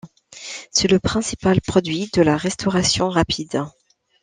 C’est le principal produit de la restauration rapide.